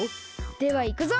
ではいくぞ！